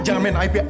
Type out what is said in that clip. jangan main api